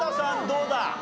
どうだ？